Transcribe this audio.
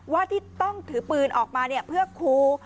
ว่าที่ต้องถือปืนออกมาเพื่อครู